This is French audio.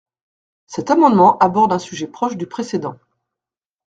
Cet amendement aborde un sujet proche du précédent.